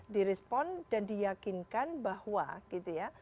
di respon dan di yakinkan bahwa gitu ya